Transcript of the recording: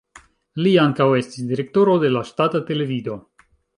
Li ankaŭ estis direktoro de la ŝtata televido.